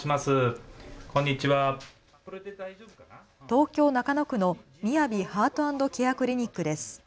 東京中野区のみやびハート＆ケアクリニックです。